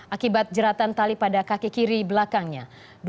akibat jeratan tali pada kaki kiri belakangnya